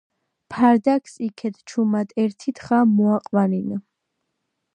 ფარდაგს იქეთ ჩუმად ერთი თხა მოაყვანინა.